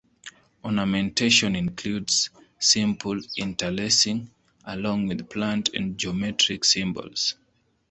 Ornamentation includes simple interlacing along with plant and geometric symbols.